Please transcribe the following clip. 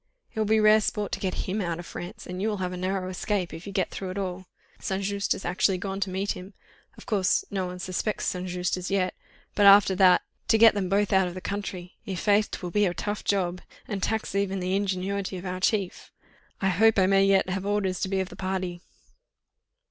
It will be rare sport to get him out of France, and you will have a narrow escape, if you get through at all. St. Just has actually gone to meet him—of course, no one suspects St. Just as yet; but after that ... to get them both out of the country! I'faith, 'twill be a tough job, and tax even the ingenuity of our chief. I hope I may yet have orders to be of the party."